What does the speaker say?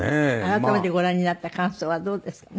改めてご覧になった感想はどうですか？